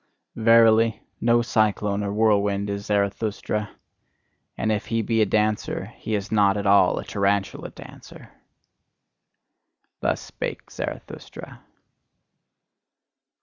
Verily, no cyclone or whirlwind is Zarathustra: and if he be a dancer, he is not at all a tarantula dancer! Thus spake Zarathustra.